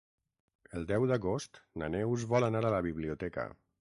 El deu d'agost na Neus vol anar a la biblioteca.